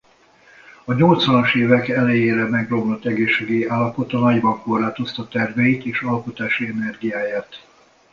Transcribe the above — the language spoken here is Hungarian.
A nyolcvanas évek elejére megromlott egészségi állapota nagyban korlátozta terveit és alkotási energiáját.